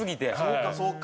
そうかそうか。